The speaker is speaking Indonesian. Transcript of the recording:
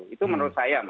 itu menurut saya